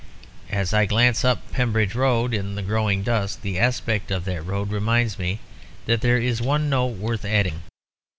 As I glance up Pembridge Road in the growing dusk, the aspect of that road reminds me that there is one note worth adding.